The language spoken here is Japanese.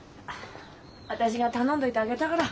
私が頼んでおいてあげたから。